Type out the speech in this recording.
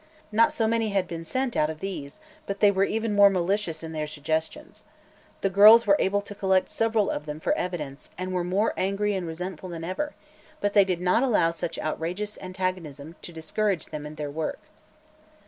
Not so many had been sent out of these, but they were even more malicious in their suggestions. The girls were able to collect several of them for evidence and were 'more angry and resentful than ever, but they did not allow such outrageous antagonism to discourage them in their work.